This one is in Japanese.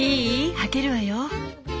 開けるわよ？